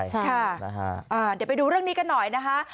เดี๋ยวไปดูเรื่องนี้กันหน่อยนะคะ